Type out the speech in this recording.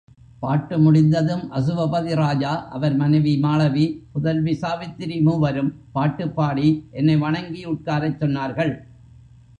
பாட்டு முடிந்ததும் அசுவபதி ராஜா, அவர் மனைவி மாளவி, புதல்வி சாவித்திரி மூவரும்பாட்டுப்பாடி என்னை வணங்கி உட்காரச் சொன்னார்கள்.